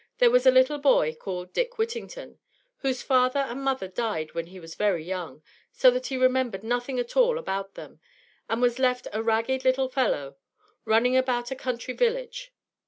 there was a little boy called Dick Whittington, whose father and mother died when he was very young, so that he remembered nothing at all about them, and was left a ragged little fellow, running about a country village.